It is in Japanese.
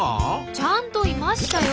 ちゃんといましたよ。